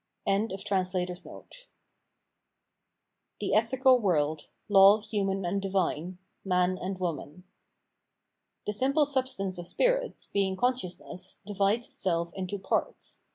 ] The Ethical Wobld : Law Human and Divine : Man and Woman The simple substance of spirit, being consciousness, divides itself into parts.